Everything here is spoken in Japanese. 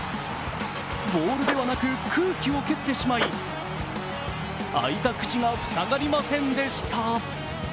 ボールではなく空気を蹴ってしまい開いた口が塞がりませんでした。